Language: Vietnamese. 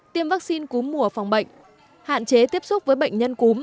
tiêm vaccine cúm mùa phòng bệnh hạn chế tiếp xúc với bệnh nhân cúm